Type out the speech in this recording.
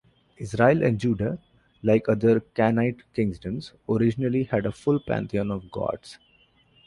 Israel and Judah, like other Canaanite kingdoms, originally had a full pantheon of gods.